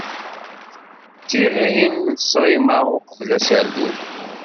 D tiɣin n ṣṣrima, uqbel aserdun.